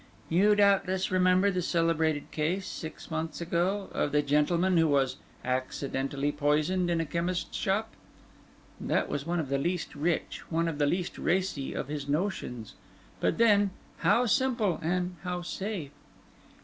You doubtless remember the celebrated case, six months ago, of the gentleman who was accidentally poisoned in a chemists shop? That was one of the least rich, one of the least racy, of his notions; but then, how simple! and how safe!"